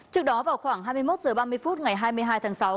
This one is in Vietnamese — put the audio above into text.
trước đó vào khoảng hai mươi một h ba mươi phút ngày hai mươi hai tháng sáu